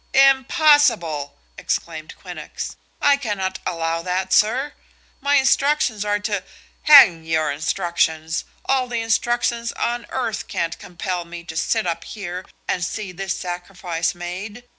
"Impossible!" exclaimed Quinnox. "I cannot allow that, sir. My instructions are to " "Hang your instructions! All the instructions on earth can't compel me to sit up here and see this sacrifice made.